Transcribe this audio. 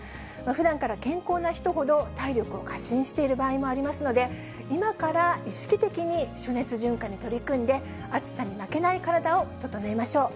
ふだんから健康な人ほど、体力を過信している場合もありますので、今から意識的に暑熱順化に取り組んで、暑さに負けない体を整えましょう。